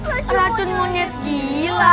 hah racun monyet gila